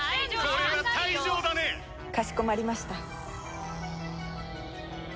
「これは退かしこまりました。